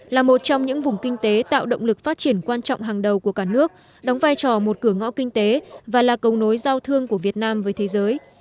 là một trong những vùng kinh tế tạo động lực phát triển quan trọng hàng đầu của cả nước đóng vai trò một cửa ngõ kinh tế và là cầu nối giao thương của việt nam với thế giới